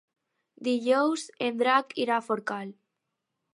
Dijous en Drac irà a Forcall.